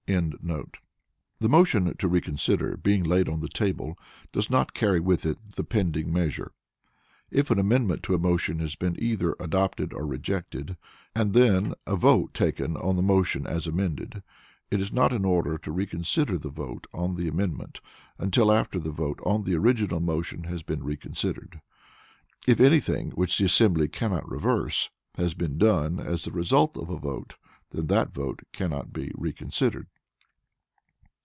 ] The motion to reconsider being laid on the table does not carry with it the pending measure. If an amendment to a motion has been either adopted or rejected, and then a vote taken on the motion as amended, it is not in order to reconsider the vote on the amendment until after the vote on the original motion has been reconsidered. If anything which the assembly cannot reverse, has been done as the result a vote, then that vote cannot be reconsidered.